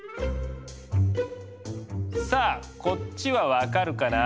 さあこっちは分かるかな？